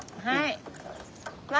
はい。